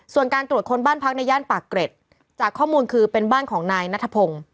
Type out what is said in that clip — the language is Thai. ส่วนการตรวจค้นบ้านพักในย่านปากเกร็ดจากข้อมูลคือเป็นบ้านของนายนัทพงศ์